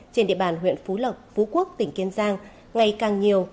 trên địa bàn huyện phú lộc phú quốc tỉnh kiên giang ngày càng nhiều